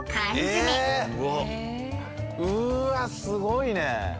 すごいね。